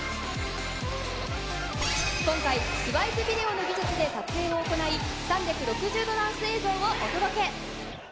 今回、スワイプビデオの技術で撮影を行い、３６０度ダンス映像をお届け。